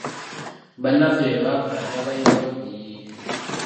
Bannaffe bye baakola byabayiwayo buyiyi!